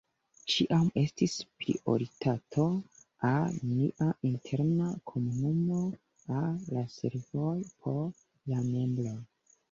Ĉiam estis prioritato al nia interna komunumo, al la servoj por la membroj.